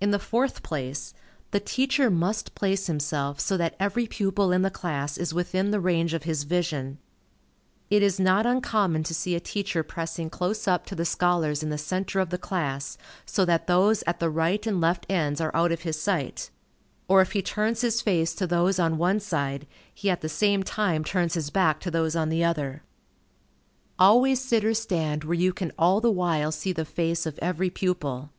In the fourth place, the teacher must place himself so that every pupil in the class is within the range of his vision. It is not uncommon to see a teacher pressing close up to the scholars in the centre of the class, so that those at the right and left ends are out of his sight; or if he turns his face to those on one side, he at the same time turns his back to those on the other. Always sit or stand where you can all the while see the face of every pupil.